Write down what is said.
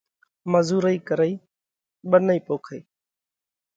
مزُورئي ڪرئِي، ٻنَئِي پوکئِي